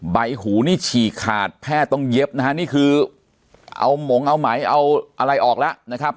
ใบหูนี่ฉีกขาดแพทย์ต้องเย็บนะฮะนี่คือเอาหมงเอาไหมเอาอะไรออกแล้วนะครับ